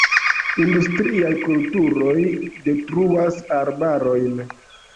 Industriaj kulturoj detruas arbarojn.